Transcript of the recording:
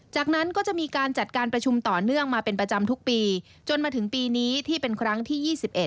จากนั้นก็จะมีการจัดการประชุมต่อเนื่องมาเป็นประจำทุกปีจนมาถึงปีนี้ที่เป็นครั้งที่๒๑